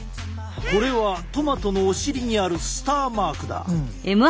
これはトマトのお尻にあるスターマークだ。